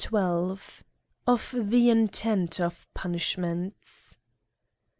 XII. Of the Intent of Punishments.